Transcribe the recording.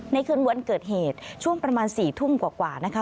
คืนวันเกิดเหตุช่วงประมาณ๔ทุ่มกว่านะคะ